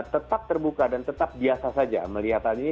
tetap terbuka dan tetap biasa saja melihat hal ini